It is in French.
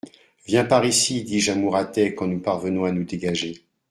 Viens par ici, dis-je à Mouratet quand nous parvenons à nous dégager.